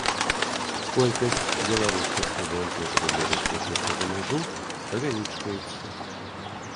Колькасць беларускіх студэнтаў, што едуць вучыцца за мяжу, павялічваецца.